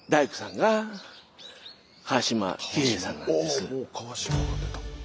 あもう川島が出た。